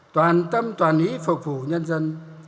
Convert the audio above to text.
toàn tâm toàn ý phục vụ nhân dân